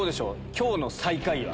今日の最下位は。